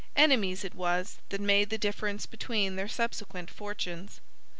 Enemies it was that made the difference between their subsequent fortunes.